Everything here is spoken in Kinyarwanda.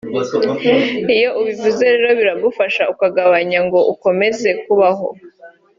iyo ubivuze rero biragufasha ukagabanya ngo ukomeze kubaho